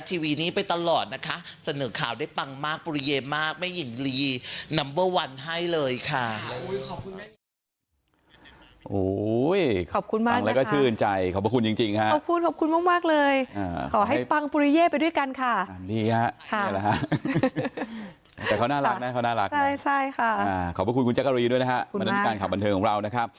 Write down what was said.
ทีวีนี้ไปตลอดนะคะเสนอข่าวได้ปังมากปุริเยมากไม่ยินดีนัมเบอร์วันให้เลยค่ะ